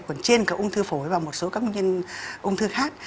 còn trên các ung thư phổi và một số các ung thư khác